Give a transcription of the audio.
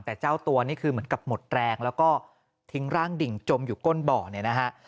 แต่เจ้าตัวนี่คือเหมือนกับหมดแรงแล้วก็ทิ้งร่างดิ่งจมอยู่ก้นบ่อเนี่ยนะฮะ